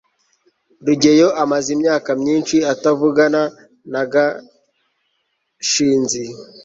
rugeyo amaze imyaka myinshi atavugana na gashinzi